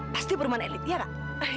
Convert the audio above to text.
pasti perumahan elit iya gak